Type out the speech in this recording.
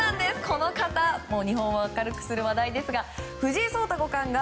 この方日本を明るくする話題ですが藤井聡太五冠が叡